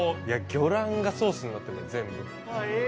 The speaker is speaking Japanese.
魚卵がソースになってる、全部。